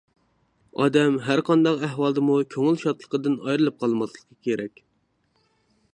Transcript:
ئادەم ھەر قانداق ئەھۋالدىمۇ كۆڭۈل شادلىقىدىن ئايرىلىپ قالماسلىقى كېرەك.